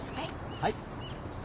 はい。